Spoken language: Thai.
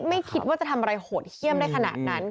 ไม่คิดว่าจะทำอะไรโหดเยี่ยมได้ขนาดนั้น